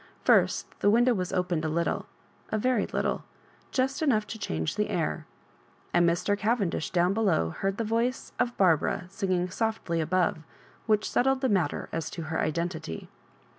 First the window was opened a little — ^a very little, just enough to change the air — and Mr. Cavendish down below heard the voice of Barbara singing sofUy up above, which settled the matter as to her identity.